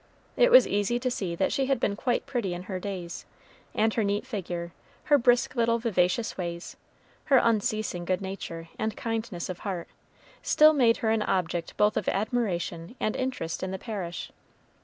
It was easy to see that she had been quite pretty in her days; and her neat figure, her brisk little vivacious ways, her unceasing good nature and kindness of heart, still made her an object both of admiration and interest in the parish.